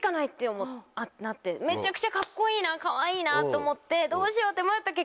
めちゃくちゃカッコいいなかわいいなと思ってどうしようって。